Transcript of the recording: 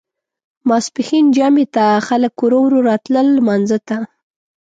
ماسپښین جمعې ته خلک ورو ورو راتلل لمانځه ته.